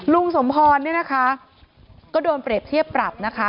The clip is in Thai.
ลุงสมพรเนี่ยนะคะก็โดนเปรียบเทียบปรับนะคะ